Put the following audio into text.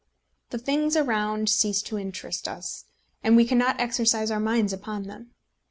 The things around cease to interest us, and we cannot exercise our minds upon them.